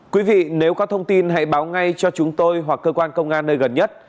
quý vị nếu có thông tin hãy báo ngay cho chúng tôi hoặc cơ quan công an nơi gần nhất